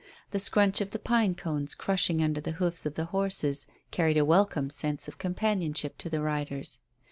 The scrunch of the pine cones crushing under the hoofs of the horses carried a welcome sense of companionship to the riders.